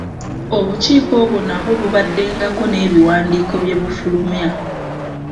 Obukiiko obwo nabwo bubaddengako n'ebiwandiiko bye bufulumya.